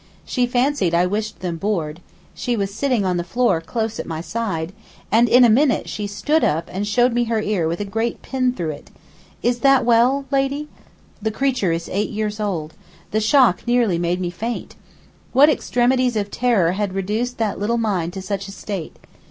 She fancied I wished them bored (she was sitting on the floor close at my side), and in a minute she stood up and showed me her ear with a great pin through it: 'Is that well, lady?' the creature is eight years old. The shock nearly made me faint. What extremities of terror had reduced that little mind to such a state.